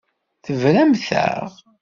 Tebramt-aɣ.